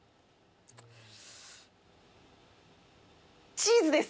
チーズです！